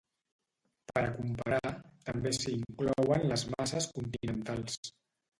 Per a comparar, també s'hi inclouen les masses continentals.